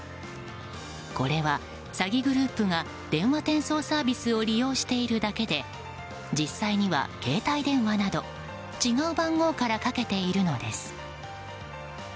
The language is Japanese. これは、詐欺グループが電話転送サービスを利用しているだけで実際には携帯電話など違う番号からかけているのです。